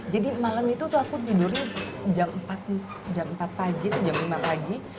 jadi malam itu tuh aku tidurnya jam empat pagi jam lima pagi